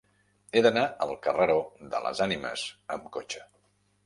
He d'anar al carreró de les Ànimes amb cotxe.